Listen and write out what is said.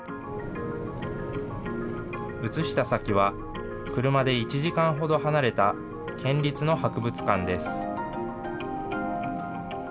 移した先は、車で１時間ほど離れた県立の博物館です。